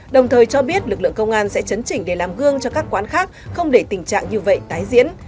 đồng thời cho biết lực lượng công an sẽ chấn chỉnh để làm gương cho các quán khác không để tình trạng như vậy tái diễn